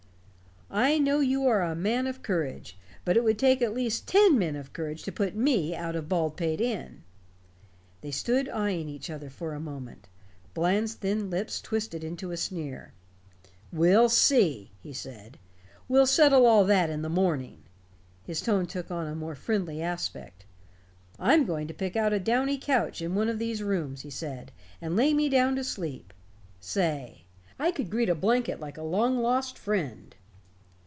I know you are a man of courage but it would take at least ten men of courage to put me out of Baldpate Inn." They stood eying each other for a moment. Bland's thin lips twisted into a sneer. "We'll see," he said. "We'll settle all that in the morning." His tone took on a more friendly aspect "I'm going to pick out a downy couch in one of these rooms," he said, "and lay me down to sleep. Say, I could greet a blanket like a long lost friend."